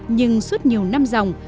nhưng suốt nhiều năm dòng